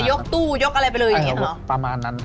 ยกตู้ยกอะไรไปเลยอย่างเงี้เหรอประมาณนั้น